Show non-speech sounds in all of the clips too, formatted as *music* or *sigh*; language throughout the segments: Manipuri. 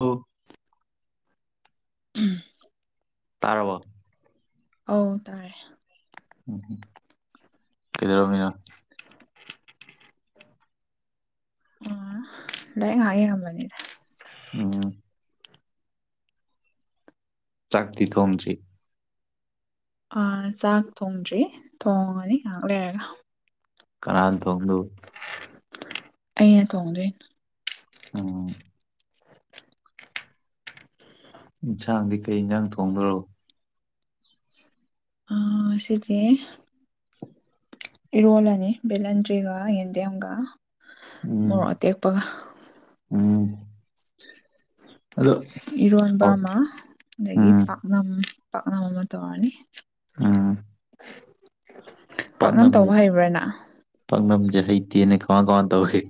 ꯍ ꯎꯝ ꯇꯥꯔꯔꯕ ꯑꯧ ꯇꯥꯥꯏꯔꯦ ꯎꯝ ꯀꯗꯔꯃꯤꯅ ꯑ ꯂꯗꯥꯥꯏ ꯍꯥꯏꯦ ꯌꯥꯝꯝꯕꯅꯤꯗ ꯎꯝ ꯆꯥꯛꯇꯤ ꯇꯟ꯭ꯔꯤ ꯑꯥ ꯆꯥꯛ ꯊꯣꯡꯗ꯭ꯔꯤ ꯊꯣꯡꯉꯅꯤ ꯉꯥꯏꯍꯥꯛ ꯂꯩꯔꯒ ꯀꯅꯥ ꯇꯣꯡꯗꯨ ꯑꯩꯅ ꯀꯧꯗ ꯎꯝ ꯏꯟꯁꯥꯡꯗꯤ ꯀꯩ ꯏꯟꯁꯥꯡ ꯊꯣꯡꯗ꯭ꯔꯣ ꯑ ꯁꯤꯔꯤꯦ ꯏꯔꯣꯜꯅꯤ ꯕꯂꯟꯗꯔꯤꯒ ꯌꯦꯟꯗꯦꯝꯒ ꯎꯝ ꯃꯇꯦꯛꯄꯒ ꯎꯝ ꯑꯗꯣ ꯏꯔꯣꯟꯕ ꯑꯧ ꯑꯃ ꯑꯗꯒꯤ ꯎꯝ ꯄꯥꯛꯅꯝ ꯄꯥꯛꯅ ꯑꯃ ꯇꯧꯔꯅꯤ ꯎꯝ ꯄꯥꯛꯅꯝ ꯄꯥꯛꯅꯝꯖꯦ ꯇꯧꯕ ꯍꯩꯕ꯭ꯔꯥꯅ ꯄꯥꯛꯅꯝꯖꯦ ꯍꯩꯇꯦꯅꯦ ꯀꯃꯥꯟ ꯀꯃꯥꯟ ꯇꯧꯏ꯫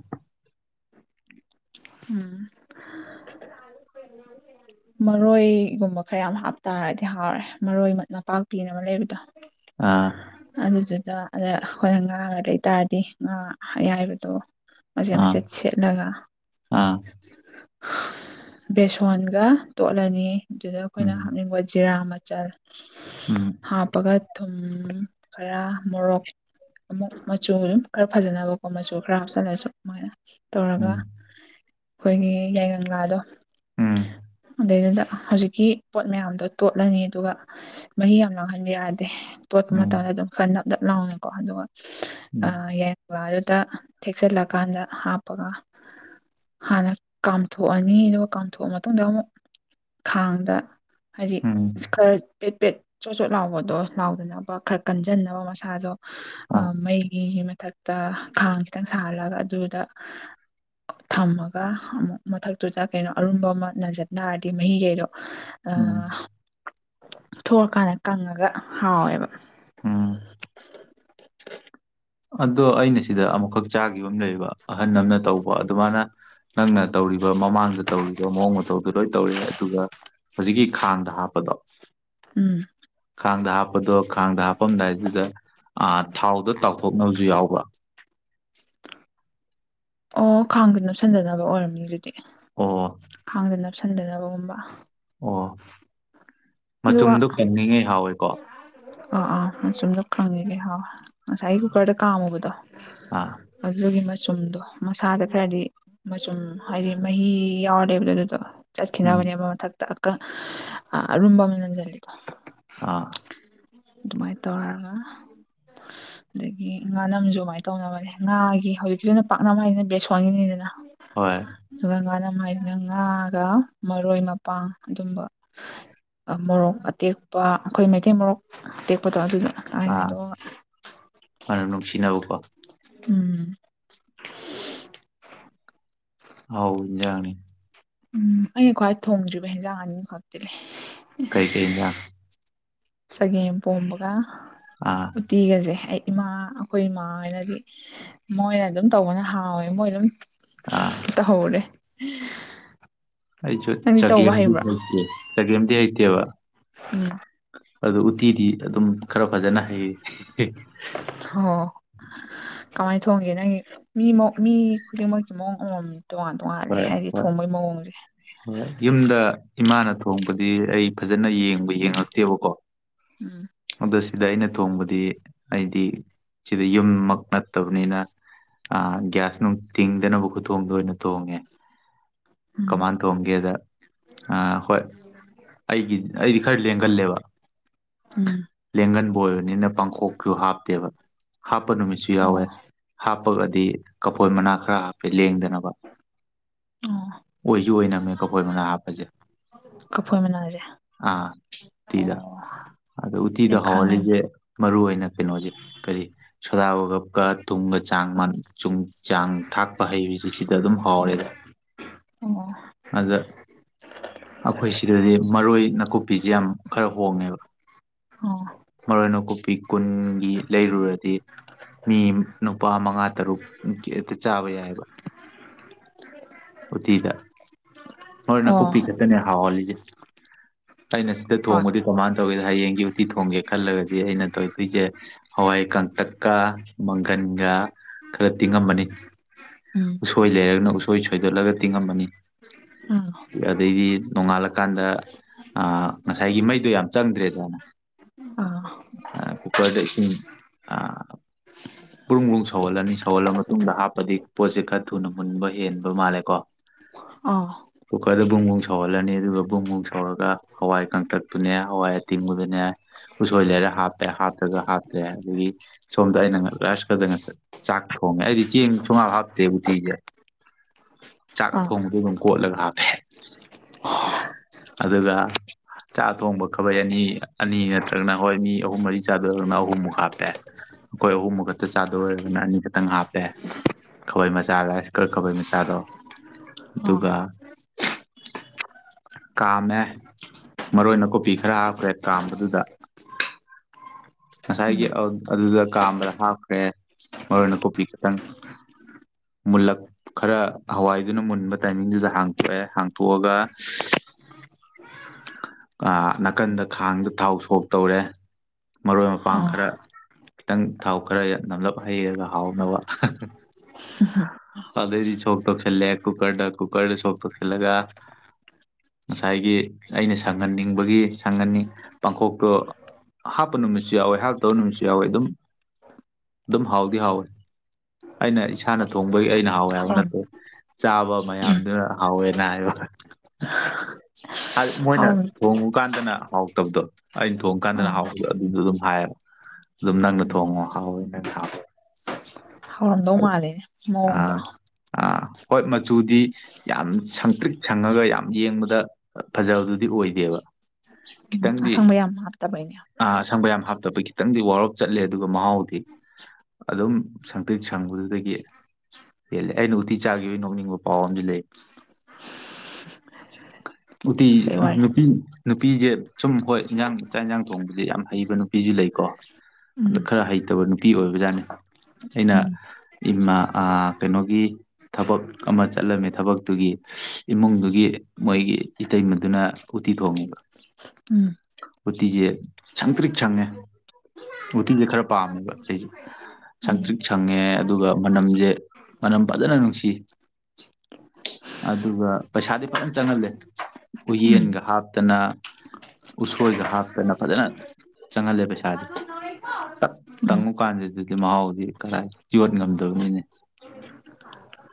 ꯎꯝ *unintelligible* ꯃꯔꯣꯏꯒꯨꯝꯕ ꯈꯔ ꯌꯥꯝ ꯍꯥꯞꯇꯥꯔꯗꯤ ꯍꯥꯎꯔꯦ ꯃꯔꯣꯏ ꯅꯄꯥꯛꯄꯤꯅ ꯑꯃ ꯂꯩꯕꯗꯣ꯫ ꯑꯥ ꯑꯗꯨ ꯆ ꯗ ꯑꯗ ꯈꯣꯏꯅ ꯉꯥꯒ ꯂꯩꯇꯥꯥꯔꯗꯤ ꯉꯥ ꯑꯌꯥꯏꯕꯗꯣ ꯃꯆꯦ ꯑꯥ ꯃꯆꯦꯠ ꯁꯦꯠꯂꯒ꯫ ꯑꯥ ꯕꯦꯁꯣꯟꯒ ꯇꯣꯠꯂꯅꯤ ꯗꯨꯗ ꯑꯩꯈꯣꯏꯅ ꯎꯝ ꯍꯥꯞꯅꯤꯡꯕ ꯖꯤꯔꯥꯝ ꯆꯜ ꯎꯝ ꯍꯥꯞꯄꯒ ꯊꯨꯝ ꯈꯔ ꯃꯣꯔꯣꯛ ꯑꯃꯨꯛ ꯃꯆꯨ ꯗꯨꯝ ꯈꯔ ꯐꯖꯅꯕꯀꯣ ꯃꯆꯨ ꯈꯔ ꯍꯥꯞꯆꯜꯂꯁꯨ ꯃꯥꯏꯅ ꯇꯧꯔꯒ ꯎꯝ ꯈꯣꯏꯒꯤ ꯌꯥꯏꯉꯪ ꯂꯥꯗꯣ ꯎꯝ ꯑꯗꯨꯗꯩꯗꯨꯗ ꯍꯧꯖꯤꯛꯀꯤ ꯄꯣꯠ ꯃꯌꯥꯝꯗꯣ ꯇꯣꯠꯂꯅꯤ ꯑꯗꯨꯒ ꯃꯍꯤ ꯌꯥꯝ ꯂꯥꯡꯍꯟꯕ ꯌꯥꯗꯦ꯫ ꯇꯣꯠꯄ ꯎꯝ ꯃꯇꯝꯗ ꯑꯗꯨꯝ ꯈꯔ ꯅꯞ ꯅꯞ ꯂꯥꯎꯅꯀꯣ ꯑꯗꯨꯒ ꯎꯝ ꯌꯥꯏꯉꯪꯂꯥꯗꯨꯗ ꯊꯦꯛꯆꯜꯂꯀꯥꯟꯗ ꯍꯥꯞꯄꯒ ꯍꯥꯟꯅ ꯀꯥꯝꯊꯣꯛꯑꯅꯤ ꯑꯗꯨꯒ ꯀꯥꯝꯊꯣꯛꯑ ꯃꯇꯨꯡꯗ ꯑꯃꯨꯛ ꯈꯥꯡꯗ ꯍꯥꯏꯗꯤ ꯎꯝ ꯈꯔ ꯄꯦꯠ ꯄꯦꯠ ꯆꯣꯠ ꯆꯣꯠ ꯂꯥꯎꯕꯗꯣ ꯂꯥꯎꯗꯅꯕ ꯈꯔ ꯀꯟꯖꯟꯅꯕ ꯃꯁꯥꯗꯣ ꯑ ꯑꯥ ꯃꯩꯒꯤꯒꯤ ꯃꯊꯛꯇ ꯈꯥꯡ ꯈꯤꯇꯪ ꯁꯥꯍꯜꯂꯒ ꯑꯗꯨꯗ ꯊꯝꯃꯒ ꯑꯃꯨꯛ ꯃꯊꯛꯇꯨꯗ ꯀꯩꯅꯣ ꯑꯔꯨꯝꯕ ꯑꯃ ꯅꯟꯖꯟꯗꯥꯔꯗꯤ ꯃꯍꯤꯒꯩꯗꯣ ꯑ ꯎꯝ ꯊꯣꯛꯂꯀꯥꯟꯗ ꯀꯪꯉꯒ ꯍꯥꯎꯋꯦꯕ꯫ ꯎꯝ ꯑꯗꯣ ꯑꯩꯅ ꯁꯤꯗ ꯑꯃꯨꯛꯈꯛ ꯆꯥꯈꯤꯕ ꯑꯃ ꯂꯩꯕ ꯑꯍꯜ ꯑꯃꯅ ꯇꯧꯕ ꯑꯗꯨꯃꯥꯏꯅ ꯅꯪꯅ ꯇꯧꯔꯤꯕ ꯃꯃꯥꯡꯗ ꯇꯧꯔꯤꯕ ꯃꯑꯣꯡ ꯃꯇꯧꯗꯨ ꯂꯣꯏ ꯇꯧꯔꯤ ꯑꯗꯨꯒ ꯍꯧꯖꯤꯛꯀꯤ ꯈꯥꯡꯗ ꯍꯥꯞꯄꯗꯣ ꯎꯝ ꯈꯥꯡꯗ ꯍꯥꯞꯄꯗꯣ ꯈꯥꯡꯗ ꯍꯥꯞꯄꯝꯗꯥꯏꯗꯨꯗ ꯑ ꯊꯥꯎꯗ ꯇꯥꯎꯊꯣꯛ ꯊꯣꯛꯅꯕꯁꯨ ꯌꯥꯎꯕ꯭ꯔ? ꯑꯣ ꯈꯥꯡꯗ ꯅꯞꯁꯟꯗꯅꯕ ꯑꯣꯏꯔꯝꯃꯤ ꯑꯗꯨꯗꯤ ꯑꯣ ꯈꯥꯡꯗ ꯅꯞꯁꯟꯗꯅꯕꯒꯨꯝꯕ꯫ ꯑꯣ ꯑꯗꯨꯒ ꯃꯆꯨꯝꯗꯨ ꯀꯪꯉꯤꯉꯩ ꯍꯥꯎꯋꯦꯀꯣ꯫ ꯑꯥ ꯑꯥ ꯃꯆꯨꯝꯗ ꯀꯪꯉꯤꯍꯩ ꯍꯥꯎꯋꯦ꯫ ꯉꯁꯥꯏꯒꯤ ꯀꯨꯀꯔꯗ ꯀꯥꯝꯃꯨꯕꯗꯣ ꯑꯥ ꯑꯗꯨꯒꯤ ꯃ ꯆꯨꯝꯗꯣ ꯃꯁꯥꯗ ꯈꯔꯗꯤ ꯃꯆꯨꯝ ꯍꯥꯏꯗꯤ ꯃꯍꯤ ꯌꯥꯎꯔꯂꯩꯕꯗꯣ ꯑꯗꯨꯗꯣ ꯎꯝ ꯆꯠꯈꯤꯅꯕꯅꯦꯕ ꯃꯊꯛꯇ ꯑꯀ ꯑꯔꯨꯝꯕ ꯑꯃ ꯅꯪꯖꯜꯂꯤꯗꯣ꯫ ꯑꯥ ꯑꯗꯨꯃꯥꯏ ꯇꯧꯔꯒ ꯑꯗꯒꯤ ꯉꯥꯅꯝꯖꯨ ꯑꯃꯥꯏ ꯇꯧꯅꯕꯅꯦ ꯉꯥꯒꯤ ꯍꯧꯖꯤꯛꯀꯤꯗꯨꯅ ꯄꯥꯛꯅ ꯍꯥꯏꯁꯤꯅ ꯕꯦꯁꯣꯟ ꯒꯤꯅꯤꯗꯅꯥ꯫ ꯍꯣꯏ *unintelligible* ꯉꯥꯒ ꯃꯔꯣꯏ ꯃꯄꯥꯡ ꯑꯗꯨꯝꯕ ꯃꯣꯔꯣꯛ ꯑꯇꯦꯛ ꯄꯥ ꯑꯩꯈꯣꯏ ꯃꯩꯇꯩ ꯃꯣꯔꯣꯛ ꯇꯦꯛꯄꯗꯣ ꯑꯗꯨꯒꯤ ꯑꯥ ꯍꯅ ꯅꯨꯡꯁꯤꯅꯕꯀꯣ꯫ ꯎꯝ *unintelligible* ꯑꯥꯎ ꯏꯖꯅꯤ ꯎꯝ ꯑꯩꯅ ꯈ꯭ꯋꯥꯏ ꯊꯣꯡꯗ꯭ꯔꯤꯕ ꯍꯦꯟꯖꯥꯡ ꯑꯅꯤ ꯈꯛꯇꯤꯂꯩ꯫ ꯀꯩ ꯀꯩꯖꯥꯡ ꯆꯒꯦꯝ ꯄꯣꯝꯕꯒ ꯑꯥ ꯎꯇꯤꯒꯁꯦ ꯑꯩ ꯏꯃꯥ ꯑꯈꯣꯏ ꯃꯥ ꯍꯣꯏꯅꯗꯤ ꯃꯣꯏꯅ ꯗꯨꯝ ꯇꯧꯕꯅ ꯍꯥꯎꯋꯦ ꯃꯣꯏ ꯗꯨꯝ ꯑꯥ ꯇꯍꯧꯔꯦ ꯑꯩꯁꯨ ꯆꯒꯦꯝꯗꯤ ꯍꯩꯇꯦ ꯆꯒꯦꯝꯗꯤ ꯍꯩꯇꯦꯕ꯫ ꯎꯝ ꯑꯗꯨ ꯎꯠꯇꯤꯗꯤ ꯑꯗꯨꯝ ꯈꯔ ꯐꯖꯅ ꯍꯩꯌꯦ ꯑꯣ ꯀꯃꯥꯏꯅ ꯊꯣꯡꯒꯦ ꯅꯪꯒꯤ ꯃꯤ ꯃꯤ ꯈꯨꯗꯤꯡꯃꯛꯀꯤ ꯃꯑꯣꯡ ꯑꯃꯃꯝꯅꯤ ꯍꯣꯏ ꯍꯣꯏ ꯍꯣꯏ ꯌꯨꯝꯗ ꯏꯃꯥꯅ ꯊ ꯊꯣꯡꯕꯗꯤ ꯑꯩ ꯐꯖꯅ ꯌꯦꯡꯕ ꯌꯦꯡꯉꯛꯇꯦꯕꯀꯣ ꯎꯝ ꯑꯗꯣ ꯁꯤꯗ ꯑꯩꯅ ꯊꯣꯡꯕ ꯗꯤ ꯑꯩꯗꯤ ꯁꯤꯗ ꯌꯨꯝꯃꯛ ꯅꯠꯇꯕꯅꯤꯅ ꯑ ꯒ꯭ꯌꯥꯁ ꯅꯨꯡ ꯇꯤꯡꯗꯅꯕ ꯈꯨꯊꯣꯡꯗ ꯑꯣꯏꯅ ꯇꯣꯡꯉꯦ ꯎꯝ ꯀꯃꯥꯟ ꯊꯣꯡꯒꯦꯗ ꯑ ꯍꯣꯏ ꯑꯩꯒꯤ ꯑꯩꯗꯤ ꯈꯔ ꯂꯦꯡꯒꯜꯂꯦꯕ ꯎꯝ ꯂꯦꯡꯒꯟꯕ ꯑꯣꯏꯕꯅꯤꯅ ꯄꯥꯡꯈꯣꯛꯁꯨꯨ ꯍꯥꯞꯇꯦꯕ ꯍꯥꯞꯄ ꯅꯨꯃꯤꯠꯁꯨ ꯌꯥꯎꯋꯦ ꯑꯣ ꯍꯥꯞꯄꯒꯗꯤ ꯀꯐꯣꯏ ꯃꯅꯥ ꯈꯔ ꯍꯥꯞꯄꯦ ꯂꯦꯡꯗꯅꯕ ꯑꯣ ꯑꯣꯏꯁꯨ ꯑꯣꯏꯅꯝꯃꯦ ꯀꯈꯣꯏ ꯃꯅ ꯍꯥꯞꯄꯁꯦ ꯀꯐꯣꯏ ꯃꯅꯥꯁꯦ ꯑꯥ ꯑꯣ ꯊꯤꯗꯥ ꯑꯗꯣ ꯎꯠꯇꯤꯗ ꯑꯩ ꯈꯪꯉꯅꯤ ꯍꯧꯥꯎꯍꯜꯂꯤꯁꯦ ꯃꯔꯨꯏ ꯑꯣꯏꯅ ꯀꯩꯅꯣꯁꯦ ꯀꯔꯤ ꯁꯗꯥꯕꯒꯀ ꯆꯥꯡ ꯆꯨꯝ ꯆꯥꯡ ꯊꯥꯛꯄ ꯍꯩꯕꯁꯤ ꯁꯤꯗ ꯑꯗꯨꯝ ꯑꯗꯨꯗ ꯑꯣ ꯑꯩꯈꯣꯏ ꯁꯤꯗꯗꯤ ꯃꯔꯣꯏ ꯅꯥꯀꯨꯞꯄꯤꯁꯦ ꯌꯥꯝ ꯈꯔ ꯍꯣꯡꯉꯦꯕ ꯑꯣ ꯃꯔꯨ ꯑꯣꯏꯅ ꯀꯨꯞꯄꯤ ꯀꯨꯟꯒꯤ ꯂꯩꯔꯨꯔꯗꯤ ꯃꯤ ꯅꯨꯄꯥ ꯃꯉꯥ ꯇꯔꯨꯛ ꯆꯥꯕ ꯌꯥꯏꯑꯕ ꯎꯊꯤꯗ ꯅꯣꯔ ꯑꯣ ꯅꯥꯀꯨꯞꯄꯤ ꯈꯛꯇꯅꯦ ꯍꯥꯎꯍꯜꯂꯤꯁꯦ ꯑꯩꯅ ꯁꯤꯗ ꯍꯣꯏ ꯊꯣꯡꯕꯗꯤ ꯀꯃꯥꯏꯅ ꯇꯧꯋꯤꯗꯣ ꯍꯌꯦꯡꯒꯤ ꯎꯇꯤ ꯊꯣꯡꯒꯦ ꯈꯜꯂꯒꯗꯤ ꯑꯩꯅ ꯇꯧꯗꯣꯏꯁꯦ ꯍꯋꯥꯏ ꯀꯪꯇꯛꯀ ꯃꯪꯒꯟꯒ ꯈꯔ ꯇꯤꯡꯉꯝꯕꯅꯤ ꯎꯝ ꯎꯁꯣꯏ ꯂꯩꯔꯒꯅ ꯎꯁꯣꯏ ꯁꯣꯏꯗꯠꯂꯒ ꯇꯤꯡꯉꯝꯃꯅꯤ ꯎꯝ ꯑꯗꯩꯗꯤ ꯅꯣꯡꯉꯥꯜꯂꯀꯥꯟꯗ ꯑ ꯉꯁꯥꯏꯒꯤ ꯃꯩꯗꯣ ꯌꯥꯝ ꯆꯪꯗ꯭ꯔꯦꯗꯅ ꯑꯥ ꯑ ꯀꯨꯀꯥꯔꯗ ꯏꯁꯤꯡ ꯑ ꯕ꯭ꯔꯨꯡ ꯕꯔꯨꯡ ꯁꯧꯍꯜꯂꯅꯤ ꯁꯧꯍꯜꯂ ꯃꯇꯨꯡꯗ ꯍꯥꯞꯄꯗꯤ ꯄꯣꯠꯁꯦ ꯈꯔ ꯊꯨꯅ ꯃꯨꯟꯕ ꯍꯦꯟꯕ ꯃꯥꯜꯂꯦꯀꯣ ꯑꯥ ꯀꯨꯀꯔꯗ ꯕꯨꯡ ꯕꯨꯡ ꯁꯧꯍꯜꯂꯅꯤ ꯑꯗꯨꯒ ꯕꯨꯡ ꯕꯨꯡ ꯁꯧꯔꯒ ꯍꯋꯥꯏ ꯀꯪꯇꯛꯇꯨꯅꯦ ꯍꯋꯥꯏ ꯑꯇꯤꯡꯕꯗꯨꯅꯦ ꯎꯁꯣꯏ ꯂꯩꯔ ꯍꯥꯞꯄꯦ ꯍꯥꯞꯇꯒ ꯍꯥꯞꯇꯦ ꯑꯗꯒꯤ ꯁꯣꯝꯗ ꯑꯩꯅ ꯉ ꯂꯥꯏꯁ ꯀꯨꯗ ꯉꯁꯥ ꯆꯥꯛ ꯍꯥ ꯍꯣꯡꯉꯦ ꯑꯩꯗꯤ ꯆꯦꯡ ꯁꯨꯡꯍꯥꯞ ꯍꯥꯞꯇꯦ ꯕꯨꯊꯤꯖꯦ ꯆꯥꯛ ꯑꯥ ꯑꯊꯣꯡꯕꯗꯨ ꯑꯗꯨꯝ ꯀꯠꯂꯒ ꯍꯥꯞꯄꯦ ꯑꯗꯨꯒ ꯆꯥꯛ ꯑꯊꯣꯡꯕ ꯈꯕꯩ ꯑꯅꯤ ꯑꯅꯤ ꯅꯠꯇ꯭ꯔꯒꯅ ꯍꯣꯏ ꯃꯤ ꯑꯍꯨꯝ ꯃꯔꯤ ꯆꯥꯗꯣꯔꯒꯅ ꯑꯍꯨꯝꯃꯨꯛ ꯍꯥꯞꯄꯦ ꯑꯈꯣꯏ ꯑꯍꯨꯝꯃꯨ ꯈꯠꯇ ꯆꯥꯗꯣꯔ ꯑꯣꯏꯔꯒꯅ ꯑꯅꯤꯈꯛꯇꯪ ꯍꯥꯞꯄꯦ ꯈꯕꯩ ꯃꯆꯥꯔ ꯔꯤꯏꯁ ꯀꯨꯀ ꯈꯕꯩ ꯃꯆꯥꯗꯣ ꯑꯥ ꯑꯗꯨꯒ ꯀꯥꯝꯃꯦ ꯃꯔꯨ ꯑꯣꯏꯅ ꯀꯣꯄꯤ ꯈꯔ ꯍꯥꯞꯈ꯭ꯔꯦ ꯀꯥꯝꯕꯗꯨꯗ ꯎꯝ ꯉꯁꯥꯏꯒꯤ ꯑ ꯑꯗꯨꯗ ꯀꯥꯝꯕꯗ ꯍꯥꯞꯈ꯭ꯔꯦ ꯃꯔꯣꯏ ꯅꯀꯨꯄꯤ ꯈꯤꯇꯪ ꯃꯨꯜꯂꯛ ꯈꯔ ꯍꯋꯥꯏꯗꯨꯅ ꯃꯨꯟꯕ ꯇꯥꯏꯃꯤꯡꯗꯨꯗ ꯍꯥꯡꯇꯣꯛꯑꯦ ꯍꯥꯡꯇꯣꯛꯑꯒ ꯀ ꯅꯥꯀꯟꯗ ꯈꯥꯡꯗ ꯊꯥꯎ ꯁꯣꯛ ꯇꯧꯔꯦ ꯃꯔꯣꯏ ꯃꯄꯥꯡ ꯑꯥ ꯈꯔ ꯈꯤꯇꯪ ꯊꯥꯎ ꯈꯔ ꯅꯝꯂꯞ ꯍꯩꯔꯒ ꯍꯥꯎꯅꯕ ꯑꯗꯩꯗꯤ ꯁꯣꯛ ꯇꯣꯛꯁꯜꯂꯦ ꯀꯨꯀꯔꯗ ꯀꯨꯀꯔꯗ ꯁꯣꯛ ꯇꯧꯁꯤꯜꯂꯒ ꯉꯁꯥꯏꯒꯤ ꯑꯩꯅ ꯁꯪꯍꯟꯅꯤꯡꯕꯒꯤ ꯁꯪꯍꯟꯅꯤꯡ ꯄꯥꯡꯈꯣꯛꯇꯣ ꯍꯥꯞꯄ ꯅꯨꯃꯤꯠꯁꯨ ꯌꯥꯎꯋꯦ ꯍꯥꯞꯇꯕ ꯅꯨꯃꯤꯠꯁꯨ ꯌꯥꯎꯋꯦ ꯑꯗꯨꯝ ꯑꯗꯨꯝ ꯍꯥꯎꯗꯤ ꯍꯥꯎꯋꯦ ꯑꯩꯅ ꯏꯁꯥꯅ ꯊꯣꯡꯕꯒꯤ ꯑꯩꯅ ꯍꯥꯎꯋꯦ ꯍꯥꯏꯕ ꯍꯥꯎꯔꯝ ꯅꯠꯇꯦ ꯆꯥꯕ ꯃꯌꯥꯝꯗꯨ ꯍꯥꯎꯋꯦꯅ ꯍꯥꯏꯕ ꯍꯥꯏ ꯃꯣꯏꯅ ꯍꯥꯎꯔꯝ ꯊꯣꯡꯉꯨ ꯀꯥꯟꯗꯅ ꯍꯥꯎꯇꯞꯗꯣ ꯑꯩꯅ ꯊꯣꯡ ꯀꯥꯟꯗꯅ ꯑꯥ ꯍꯥꯎꯕꯗꯣ ꯑꯗꯨꯗꯣ ꯑꯗꯨꯝ ꯍꯥꯏꯌꯦꯕ ꯑꯗꯨꯝ ꯅꯪꯅ ꯎꯝ ꯊꯣꯡꯉꯣ ꯍꯥꯎꯋꯦ ꯅꯪ ꯍꯥꯎꯋꯦ ꯍꯗꯣ ꯃꯥꯂꯦꯅꯦ ꯃꯑꯣꯡꯗꯣ ꯑꯥ ꯑꯥ ꯍꯣꯏ ꯃꯆꯨꯗꯤ ꯌꯥꯝ ꯁꯪꯇ꯭ꯔꯤꯛ ꯁꯪꯉꯒ ꯌꯥꯝ ꯌꯦꯡꯕꯗ ꯐꯖꯕꯗꯨꯗꯤ ꯑꯣꯏꯗꯦꯕ ꯎꯝ ꯈꯤꯇꯪꯗꯤ ꯑꯁꯪꯕ ꯌꯥꯝ ꯍꯥꯞꯇꯕꯩꯅꯦ ꯑ ꯑꯁꯪꯕ ꯌꯥꯝ ꯍꯥꯞꯇꯕ ꯈꯤꯇꯪꯗꯤ ꯋꯥꯔꯞ ꯆꯠꯂꯦ ꯑꯗꯨꯒ ꯃꯍꯥꯎꯗꯤ ꯑꯗꯨꯝ ꯁꯪꯇꯤꯛ ꯁꯪꯕꯗꯨꯗꯒꯤ ꯍꯦꯜꯜꯂꯤꯦ ꯑꯩꯅ ꯎꯇꯤ ꯆꯥꯈꯤꯕꯒꯤ ꯅꯣꯛꯅꯤꯡꯕ ꯄꯥꯎ ꯑꯃꯗꯤ ꯂꯩ ꯎꯇꯤ ꯀꯩ ꯑ ꯋꯥꯔꯤ ꯅꯨꯄꯤ ꯅꯨꯄꯤꯖꯦ ꯁꯨꯝ ꯍꯣꯏ ꯏꯟꯖꯥꯡ ꯆꯥꯛ ꯏꯟꯖꯥꯡ ꯊꯣꯡꯕꯁꯦ ꯌꯥꯝ ꯍꯩꯕ ꯅꯨꯄꯤꯗꯤ ꯂꯩꯀꯣ ꯑꯗ ꯎꯝ ꯈꯔ ꯍꯩꯇꯕ ꯅꯨꯄꯤ ꯑꯣꯏꯕꯖꯥꯠꯅꯤ ꯑꯩꯅ ꯎꯝ ꯏꯃꯥ ꯑ ꯀꯩꯅꯣꯒꯤ ꯊꯕꯛ ꯑꯃ ꯆꯠꯂꯝꯃꯤ ꯊꯕꯛꯇꯨꯒꯤ ꯏꯃꯨꯡꯗꯨꯒꯤ ꯃꯣꯏꯒꯤ ꯏꯇꯩ ꯃꯗꯨꯅ ꯎꯠꯇꯤ ꯊꯣꯡꯉꯤꯕ ꯎꯝ ꯎꯇꯤꯁꯦ ꯁꯪ ꯇ꯭ꯔꯤꯛ ꯁꯪꯉꯦ ꯎꯇꯤꯁꯦ ꯈꯔ ꯄꯥꯝꯃꯦꯕ ꯑꯩꯁꯦ ꯎꯝ ꯁꯪꯇ꯭ꯔꯤꯛ ꯁꯪꯉꯦ ꯑꯗꯨꯒ ꯃꯅꯝꯁꯦ ꯃꯅꯝ ꯐꯖꯅ ꯅꯨꯡꯁꯤ ꯑꯗꯨꯒ ꯄꯩꯁꯥꯗꯤ ꯐꯖꯟ ꯆꯪꯍꯜꯂꯦ ꯎꯝ ꯎꯨꯌꯦꯟꯒ ꯍꯥꯞꯇꯅ ꯎꯁꯣꯏꯒ ꯍꯥꯞꯇꯅ ꯐꯖꯅ ꯆꯪꯍꯜꯂꯦ ꯄꯩꯁꯥꯗꯤ ꯇ ꯎꯝ ꯇꯪꯉꯨ ꯀꯥꯟꯁꯤ ꯑꯗꯨꯗꯤ ꯃꯍꯥꯎꯗꯤ ꯀꯗꯥꯏ ꯌꯣꯠ ꯉꯝꯗꯕꯅꯤꯅꯦ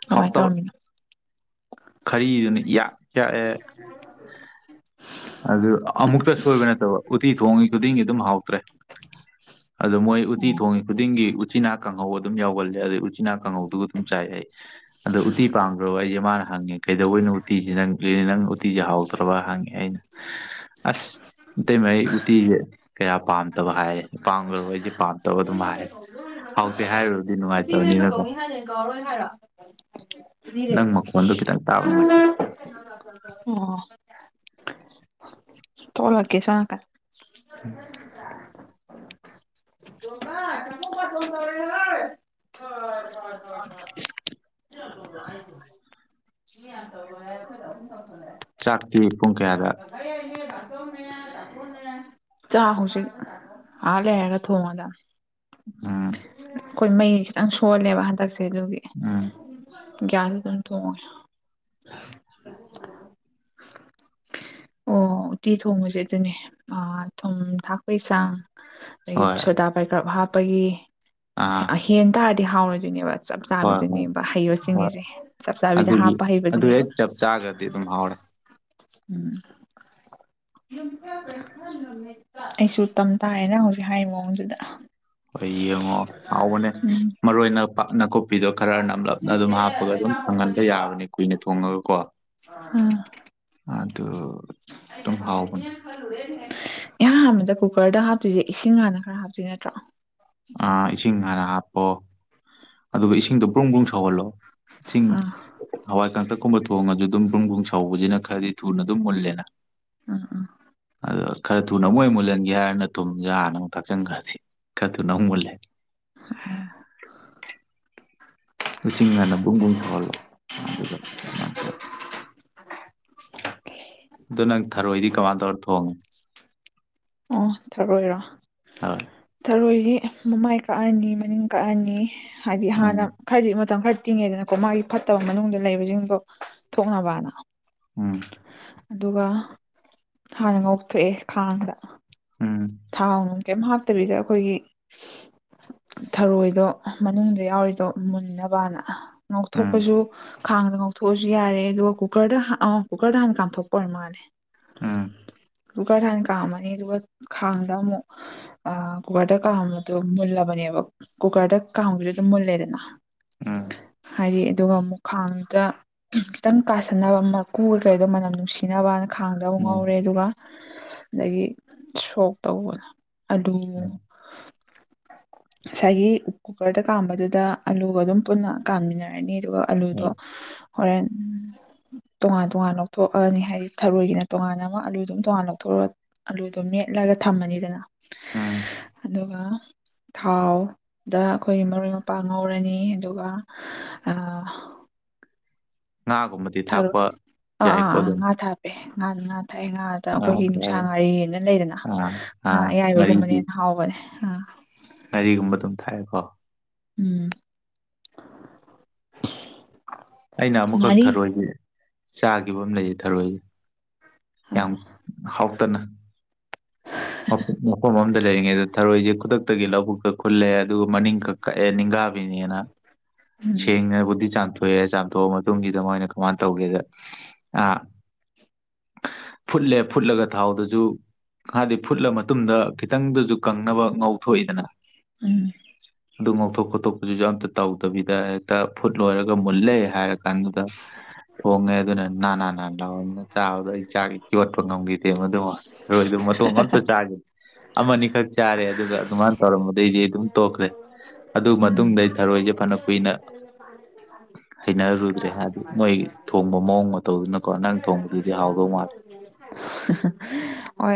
ꯀꯃꯥꯏ ꯍꯥꯎꯇꯕ ꯇꯧꯔꯝꯃꯤꯅꯣ ꯈꯔꯤꯗꯨꯅ ꯏ ꯌꯥꯛ ꯌꯥꯛꯑꯦ ꯑꯗꯨ ꯑꯃꯨꯛꯇ ꯁꯣꯏꯕ ꯅꯠꯇꯕ ꯎꯠꯇꯤ ꯊꯣꯡꯉꯤ ꯈꯨꯗꯤꯡꯒꯤ ꯑꯗꯨꯝ ꯍꯥꯎꯇ꯭ꯔꯦ *inaudible* ꯑꯗꯨ ꯃꯣꯏ ꯎꯇꯤ ꯑꯣ ꯊꯣꯡꯉꯤ ꯈꯨꯗꯤꯡꯒꯤ ꯎꯆꯤꯅꯥ ꯀꯥꯡꯍꯧ ꯑꯗꯨꯝ ꯌꯥꯎꯒꯜꯂꯦ ꯑꯗꯨ ꯎꯆꯤꯅꯥ ꯀꯥꯡꯍꯧꯗꯨꯒ ꯑꯗꯨꯝ ꯆꯥꯏ ꯑꯩ ꯑꯗ ꯎꯠꯇꯤ ꯄꯥꯡꯒ꯭ꯔꯣ ꯑꯩ ꯃꯥꯅ ꯍꯪꯉꯦ ꯀꯩꯗꯧꯕꯩꯅꯣ ꯎꯇꯤꯤꯁꯦ ꯅꯪ ꯅꯪ ꯎꯇꯤꯤꯁꯦ ꯍꯥꯎꯗ꯭ꯔꯕ ꯍꯪꯉꯦ ꯑꯩꯅ ꯑꯁ ꯑꯇꯩ ꯃ ꯑꯩ ꯎꯇꯤꯁꯦ ꯀꯌꯥ ꯄꯥꯝꯗꯕ ꯍꯥꯏꯔꯦ ꯑ ꯄꯥꯝꯈ꯭ꯔꯣ ꯑꯩꯁꯦ ꯄꯥꯝꯗꯕ ꯑꯗꯨꯝ ꯍꯥꯏꯔꯦ ꯍꯥꯎ ꯇꯦ ꯍꯥꯏꯔꯣꯗꯤ ꯅꯅꯨꯡꯥꯏꯦ ꯀꯗꯣ ꯀꯧꯅꯤ ꯍꯥꯏꯅꯦ ꯀꯥꯎꯔꯣꯏ ꯍꯥꯏꯔꯛꯑꯣꯔꯦ ꯀꯟ ꯈꯤꯇꯪ ꯇꯥꯎꯕ ꯅꯨꯡꯉꯥꯏꯦ ꯑꯣ ꯇꯣꯂꯛꯒꯦꯁ ꯀ ꯎꯝ ꯑꯣ ꯆꯥꯛꯇꯤ ꯄꯨꯡ ꯀꯌꯥꯗ ꯆꯥ ꯍꯧ ꯁꯤ ꯑꯥ ꯂꯦꯅ ꯊꯣꯡꯉꯗ ꯑꯝ ꯑꯩꯈꯣꯏ ꯃꯩ ꯈꯤꯇꯪ ꯁꯣꯜꯂꯦꯕ ꯍꯟꯗꯛꯁꯦ ꯑꯗꯨꯒꯤ ꯎꯝ ꯒ꯭ꯌꯥꯁ ꯑꯗꯨꯝ ꯊꯣꯡꯉꯦ ꯑꯣ ꯎꯇꯤ ꯊꯣꯡꯕꯁꯦ ꯑꯗꯨꯅꯦ ꯊꯨꯝ ꯊꯥꯛꯄꯩ ꯆꯥꯡ ꯑꯗꯒꯤ ꯍꯣꯏ ꯁꯣꯗꯥ ꯄꯥꯏꯀ꯭ꯔꯞ ꯍꯥꯞꯄꯒꯤ ꯑꯥ ꯍꯦꯟ ꯇꯥꯔꯗꯤ ꯍꯥꯎꯔꯣꯏꯗꯣꯏꯅꯦꯕ ꯆꯞ ꯍꯣꯏ ꯍꯣꯏ ꯆꯥꯕꯤꯗꯨꯅꯦꯕ ꯍꯩꯕ ꯍꯣꯏ ꯁꯤꯡꯉꯁꯦ ꯆꯞ ꯆꯥꯕꯤꯗ ꯍꯥꯞꯄ ꯍꯩꯕꯗꯨꯅꯦꯕ ꯝ ꯍꯔ ꯎꯝ ꯑꯩꯁꯨ ꯇꯝ ꯇꯥꯏꯑꯌꯦꯅ ꯍꯧꯖꯤꯛ ꯍꯥꯏꯔꯤ ꯃꯑꯣꯡꯗꯨꯗ ꯍꯣꯏ ꯌꯦꯡꯉꯣ ꯍꯥꯎꯕꯅꯦ ꯎꯝ ꯃꯔꯨ ꯑꯣꯏꯅ ꯄꯥꯛꯅ ꯀꯨꯞ ꯄꯤꯗꯣ ꯈꯔ ꯅꯞꯂꯞꯅ ꯑꯗꯨꯝ ꯍꯥꯞꯄꯒ ꯑꯗꯨꯝ ꯁꯪꯍꯟꯕ ꯌꯥꯕꯅꯦ ꯀꯨꯏꯅ ꯊꯣꯡꯉꯒꯀꯣ ꯑꯥ ꯑꯗꯨ ꯑꯗꯨꯝ ꯍꯥꯎꯕꯅꯦ ꯑꯍꯥꯟꯕꯗ ꯀꯨꯀꯔꯗ ꯍꯥꯞꯇꯣꯏꯁꯦ ꯏꯁꯤꯡ ꯍꯥꯟꯅ ꯈꯔ ꯍꯥꯞꯇꯣꯏ ꯅꯠꯇ꯭ꯔꯣ ꯑ ꯏꯁꯤꯡ ꯍꯥꯟꯅ ꯍꯥꯞꯄꯣ ꯑꯗꯨꯒ ꯏꯁꯤꯡꯗꯣ ꯄꯕ꯭ꯔꯨꯡ ꯄꯕ꯭ꯔꯨꯡ ꯁꯧꯍꯜꯂꯣ ꯊꯁꯤꯡ ꯑꯥ ꯍꯋꯥꯏ ꯀꯥꯡꯇꯛꯀꯨꯝꯕ ꯊꯣꯡꯉꯁꯨ ꯑꯗꯨꯝ ꯕ꯭ꯔꯨꯝ ꯕ꯭ꯔꯨꯝ ꯁꯥꯎꯁꯤꯅ ꯈꯔꯗꯤ ꯊꯨꯅ ꯑꯗꯨꯝ ꯃꯨꯜꯂꯦꯅ ꯎꯝ ꯎꯝ ꯑꯗꯣ ꯈꯔ ꯊꯨꯅ ꯑꯃꯨꯛꯣꯏ ꯃꯨꯜꯍꯟꯒꯦ ꯍꯥꯏꯔꯅ ꯊꯨꯝ ꯌꯥꯅ ꯑꯃꯨꯛ ꯊꯥꯛꯆꯟꯈ꯭ꯔꯗꯤ ꯀꯗꯨꯅꯕ ꯂꯩꯦ ꯑꯣ ꯂꯤꯁꯤꯡ ꯍꯟꯅꯕꯨꯡꯕꯨꯝ ꯁꯍꯜꯂꯣ ꯑꯗꯨꯒ ꯑꯗꯨꯃꯥꯏꯅ ꯇꯧ ꯑꯗꯨꯗꯣ ꯅꯪ ꯊꯥꯔꯑꯣꯏꯗꯤ ꯀꯃꯥꯏꯅ ꯇꯧꯔ ꯊꯣꯡꯉꯦ ꯇ ꯑꯣꯏꯔꯣ ꯍꯣꯏ ꯑꯔꯣꯏꯗꯤ ꯃꯃꯥꯏ ꯀꯛꯑꯅꯤ ꯃꯅꯤꯡ ꯀꯛꯑꯅꯤ ꯍꯥꯏꯗꯤ ꯎꯝ ꯍꯥꯟꯅ ꯈꯔꯗꯤ ꯃꯇꯝ ꯈꯔꯗꯤ ꯐꯠꯇꯤꯡꯉꯦꯗꯅꯀꯣ ꯃꯥꯒꯤ ꯐꯠꯇꯕ ꯃꯅꯨꯡꯗ ꯂꯩꯕꯁꯤꯡꯗꯣ ꯊꯣꯛꯅꯕꯅ ꯎꯝ ꯑꯗꯨꯒ ꯍꯥꯟꯅ ꯉꯧꯊꯣꯛꯑꯦ ꯈꯥꯡꯗ ꯎꯝ ꯊꯥ ꯑꯃ ꯀꯩꯝ ꯍꯥꯞꯇꯕꯤꯗ ꯑꯩꯈꯣꯏꯒꯤ ꯊꯔꯣꯏꯗꯣ ꯃꯅꯨꯡꯗ ꯌꯥꯎꯔꯤꯗꯣ ꯃꯨꯟꯅꯕꯅ ꯎꯝ ꯉꯥꯎꯊꯣꯛꯄꯁꯨ ꯈꯥꯡꯗ ꯉꯧꯊꯣꯛꯑꯁꯨ ꯌꯥꯔꯦ ꯑꯗꯨꯒ ꯀꯨꯀꯔꯗ ꯑ ꯀꯨꯀꯔꯗ ꯍꯥꯟꯅ ꯀꯥꯝꯊꯣꯛꯄ ꯑꯣꯏꯔ ꯃꯥꯜꯂꯦ ꯎꯝ ꯇꯒ ꯊꯅ ꯀꯃꯅꯤ ꯈꯥꯡꯗ ꯑꯃꯨꯛ ꯀꯨꯀꯔꯗ ꯀꯥꯝꯕꯗꯣ ꯃꯨꯜꯂꯕꯅꯦꯕ ꯀꯨꯀꯔꯗ ꯀꯥꯕꯗꯨ ꯂꯅ ꯎꯝ ꯍ ꯑꯗꯨꯒ ꯑꯃꯨꯛ ꯈꯥꯡꯗ ꯈꯤꯇꯪ ꯀꯥꯁꯟꯅꯕ ꯃꯀꯨ ꯀꯩꯗꯣ ꯃꯅꯝ ꯅꯨꯡꯁꯤꯅꯕꯅ ꯈꯥꯡꯗꯕ ꯎꯝ ꯉꯧꯔꯦ ꯑꯗꯨꯒ ꯑꯗꯒꯤ ꯁꯣꯛ ꯇꯧꯕꯗ ꯑꯗꯨ ꯎꯝ *inaudible* ꯉꯁꯥꯏꯒꯤ ꯀꯨꯀꯔꯗ ꯀꯥꯝꯕꯗꯨꯗ ꯑꯂꯨꯒ ꯑꯗꯨꯝ ꯄꯨꯟꯅ ꯀꯥꯃꯤꯟꯅꯔꯅꯤ ꯑꯗꯨꯒ ꯑꯂꯨꯗꯣ ꯎꯝ ꯍꯣꯔꯦꯟ ꯇꯣꯉꯥꯟ ꯇꯣꯉꯥꯟ ꯂꯧꯊꯣꯛꯑꯅꯤ ꯍꯥꯏꯗꯤ ꯊꯔꯣꯏꯒꯤꯅ ꯇꯣꯉꯥꯟ ꯑꯃ ꯑꯥꯂꯨꯗꯨꯝ ꯇꯣꯉꯥꯟ ꯂꯧꯊꯣꯛꯑꯒ ꯑꯂꯨ ꯑꯗꯨꯣ ꯃꯦꯠꯂꯒ ꯊꯝꯃꯅꯤꯗꯅ ꯎꯝ ꯑꯗꯨꯒ ꯊꯥꯎꯗ ꯑꯩꯈꯣꯏꯒꯤ ꯃꯔꯣꯏ ꯃꯄꯥꯡ ꯉꯧꯔꯅꯤ ꯑꯗꯨꯒ *inaudible* ꯉꯥꯒꯨꯝꯕꯗꯤ ꯊꯔꯣꯏ ꯊꯥꯛꯄ ꯑꯥ ꯑꯥ ꯌꯥꯏꯀꯣ ꯑꯥ ꯑꯗꯨꯝ ꯉꯥ ꯊꯥꯄꯦ ꯉꯥ ꯉꯥ ꯊꯥꯛꯑꯦ ꯉꯥꯗ ꯉꯥ ꯑꯩꯈꯣꯏꯒꯤ ꯅꯨꯡꯁꯥ ꯌꯥꯏ ꯉꯥꯔꯤꯅ ꯂꯩꯗꯅ ꯑꯥ ꯑꯌꯥꯏꯕꯒꯨꯝꯕꯅꯦꯅ ꯍꯥꯎꯕꯅꯦ ꯑꯥ ꯉꯔꯤꯒꯨꯝꯕ ꯑꯗꯨꯝ ꯊꯥꯏꯑꯀꯣ ꯎꯝ ꯑꯩꯅ ꯑꯃꯨꯛꯈꯛ ꯉꯥꯔꯤ ꯊꯔꯣꯏꯁꯦ ꯆꯥꯈꯤꯕ ꯑꯃ ꯂꯩꯌꯦ ꯊꯔꯣꯏꯁꯦ ꯌꯥꯝ ꯑꯥ ꯍꯥꯎꯇꯅ ꯃꯐꯝ ꯂꯩꯔꯤꯉꯩꯗ ꯊꯔꯣꯏꯁꯦ ꯈꯨꯗꯛꯇꯒꯤ ꯂꯧꯕꯨꯛꯛꯇ ꯈꯨꯜꯂꯦ ꯑꯗꯨꯒ ꯃꯅꯤꯡ ꯀꯛ ꯀꯛꯑꯦ ꯅꯤꯡ ꯎꯝ ꯁꯕꯗꯤ ꯆꯥꯟ ꯊꯣꯛꯑꯦ ꯆꯥꯝꯊꯣꯛꯑ ꯃꯇꯨꯡꯁꯤꯗ ꯃꯣꯏꯅ ꯀꯃꯥꯏꯅ ꯇꯧꯒꯦꯗ ꯑ ꯐꯨꯠꯂꯦ ꯐꯨꯠꯂꯒ ꯊꯥꯎꯗꯨꯁꯨ ꯍꯥꯏꯗꯤ ꯐꯨꯠꯂ ꯃꯇꯨꯡꯗ ꯈꯤꯇꯪꯗꯁꯨ ꯀꯪꯅꯕ ꯉꯧꯊꯣꯛꯏꯗꯅ ꯎꯝ ꯑꯗꯨ ꯉꯥꯎꯊꯣꯛ ꯈꯣꯠꯇꯣꯛꯄꯁꯤꯁꯨ ꯑꯝꯇ ꯇꯧꯗꯕꯤꯗ ꯍꯦꯛꯇ ꯐꯨꯠ ꯂꯣꯏꯔꯒ ꯃꯨꯜꯂꯦ ꯍꯥꯏꯔꯒ ꯀꯗꯨꯗ ꯊꯣꯡꯉꯦ ꯑꯗꯨꯅ ꯅꯥ ꯂ ꯆꯥꯕꯗ ꯆꯥꯛ ꯌꯣꯠꯄ ꯉꯝꯈꯤꯗꯦ ꯃꯗꯨꯃ ꯑꯩꯣꯏꯁꯨ ꯃꯇꯣꯡ ꯑꯝꯇ ꯆꯥꯈꯤꯦ ꯑꯃꯅꯤꯈꯛ ꯆꯥꯔꯦ ꯑꯗꯨꯒ ꯑꯗꯨꯃꯥꯏꯅ ꯇꯧꯔꯝꯕꯗꯩꯗꯤ ꯑꯩ ꯑꯗꯨꯝ ꯇꯣꯛꯈ꯭ꯔꯦ ꯑꯗꯨ ꯎꯝ ꯃꯇꯨꯡꯗ ꯑꯩ ꯊꯔꯣꯏꯁꯦ ꯐꯅ ꯀꯨꯏꯅ ꯍꯩꯅꯔꯔꯨꯗ꯭ꯔꯦ ꯍꯥꯏꯗꯤ ꯃꯣꯏ ꯊꯣꯡꯕ ꯃꯑꯣꯡ ꯃꯇꯧꯗꯨꯅꯀꯣ ꯅꯉꯪ ꯊꯣꯡꯕꯗꯨꯗꯤ ꯍꯥꯎꯋ ꯃꯔꯦ ꯍꯣꯏ